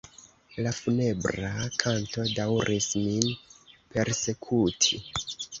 La funebra kanto daŭris min persekuti.